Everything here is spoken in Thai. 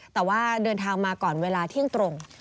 แต่ว่าเดินทางมาก่อนเวลาเที่ยงตรง